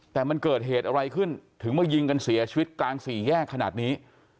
แต่มันเกิดเหตุอะไรขึ้นถึงมายิงกันเสียชีวิตกลางสี่แยกขนาดนี้